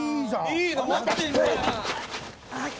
いいの持ってんじゃん